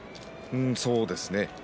そうですね。